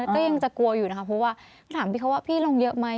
ก็ยังจะกลัวอยู่นะคะเพราะว่าถามพี่เขาว่าพี่ลงเยอะไหม